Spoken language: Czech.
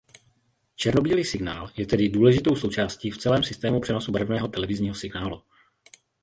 Černobílý signál je tedy důležitou součástí v celém systému přenosu barevného televizního signálu.